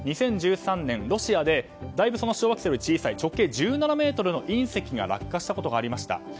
２０１３年、ロシアでだいぶその小惑星より小さい直径１７ｍの隕石が落下したことがありました。